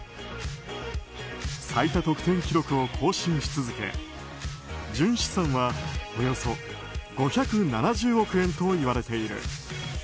最多得点記録を更新し続け純資産はおよそ５７０億円といわれている。